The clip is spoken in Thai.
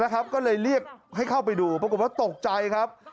ก็เลยเรียกให้เข้าไปดูปรากฏว่าตกใจครับ